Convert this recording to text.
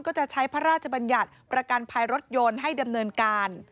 ก็จะใช้พระราชบัญญัติประกันภัยรถยนต์ให้ดำเนินการ